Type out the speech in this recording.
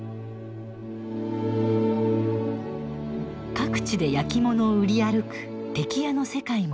各地で焼き物を売り歩くテキヤの世界も調査。